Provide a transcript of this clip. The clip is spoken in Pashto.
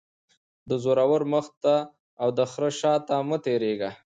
- د زورور مخ ته او دخره شاته مه تیریږه.